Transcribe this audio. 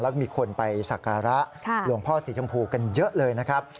แล้วก็มีคนไปสักการะหลวงพ่อสีชมพูกันเยอะเลยนะครับ